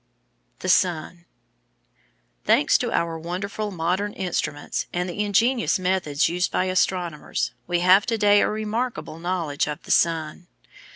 The Sun Thanks to our wonderful modern instruments and the ingenious methods used by astronomers, we have to day a remarkable knowledge of the sun.